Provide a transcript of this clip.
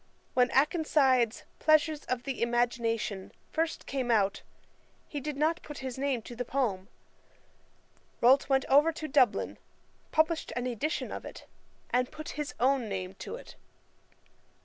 When Akenside's Pleasures of the Imagination first came out, he did not put his name to the poem. Rolt went over to Dublin, published an edition of it, and put his own name to it.